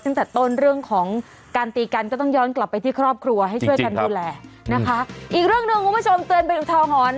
จริงครับจริงครับให้ช่วยกันดูแลนะคะอีกเรื่องหนึ่งคุณผู้ชมเตือนเป็นอุทธาหรณ์